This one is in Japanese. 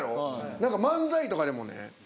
何か漫才とかでもね